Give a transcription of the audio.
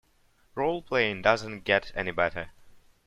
Roleplaying doesn't get any better.